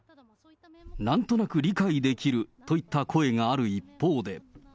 なんとなく理解できるといった声がある一方で。